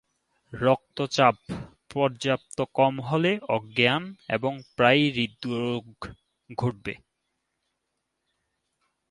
রক্তচাপ পর্যাপ্ত কম হলে অজ্ঞান এবং প্রায়ই হৃদরোগ ঘটবে।